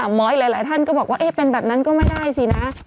ม้อยหลายท่านก็บอกว่าเป็นแบบนั้นก็ไม่ได้สินะ